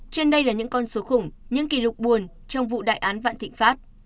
trên đây là những con số khủng những kỷ lục buồn trong vụ đại án vạn thịnh pháp